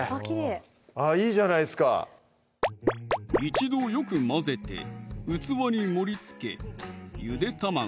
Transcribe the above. あっいいじゃないですか一度よく混ぜて器に盛りつけゆで卵